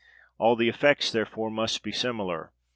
All the effects, therefore, must be similar.